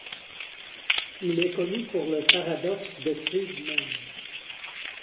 Il est connu pour le paradoxe de Freedman.